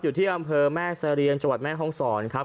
อยู่ที่อำเภอแม่เสรียงจังหวัดแม่ห้องศรครับ